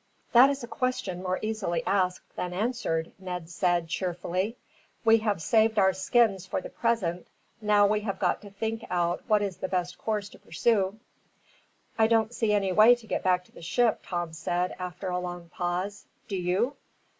"That is a question more easily asked than answered," Ned said, cheerfully. "We have saved our skins for the present, now we have got to think out what is the best course to pursue." "I don't see any way to get back to the ship," Tom said, after a long pause. "Do you?"